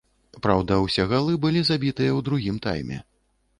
Праўда, усе галы былі забітыя ў другім тайме.